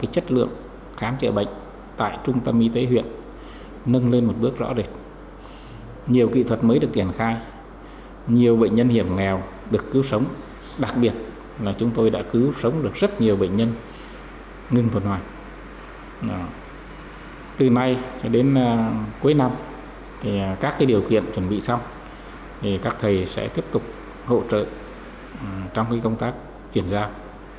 cuối năm các điều kiện chuẩn bị xong các thầy sẽ tiếp tục hỗ trợ trong công tác chuyển giao